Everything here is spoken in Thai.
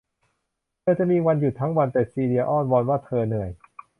เธอจะมีวันหยุดทั้งวัน แต่ซีเลียอ้อนวอนว่าเธอเหนื่อย